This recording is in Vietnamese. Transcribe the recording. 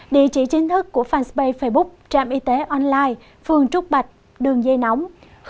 địa chỉ chính thức của fanpage facebook trạm y tế online phường trúc bạch đường dây nóng ba mươi chín tám trăm tám mươi năm sáu nghìn tám trăm chín mươi hai